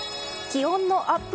気温のアップ